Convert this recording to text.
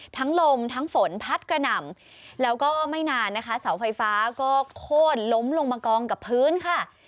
ลมทั้งฝนพัดกระหน่ำแล้วก็ไม่นานนะคะเสาไฟฟ้าก็โค้นล้มลงมากองกับพื้นค่ะ